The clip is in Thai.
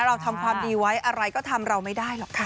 เราทำความดีไว้อะไรก็ทำเราไม่ได้หรอกค่ะ